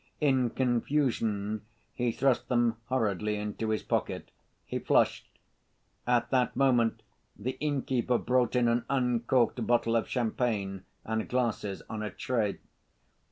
In confusion he thrust them hurriedly into his pocket. He flushed. At that moment the innkeeper brought in an uncorked bottle of champagne, and glasses on a tray.